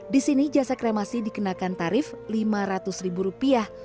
di sini jasa kremasi dikenakan tarif lima ratus ribu rupiah